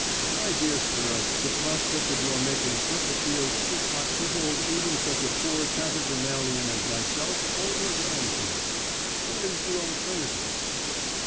My dear sir, the prospect of your making such a field too hot to hold even such a poor tatter demalion as myself overwhelms me. What is the alternative?"